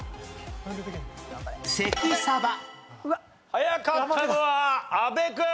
早かったのは阿部君。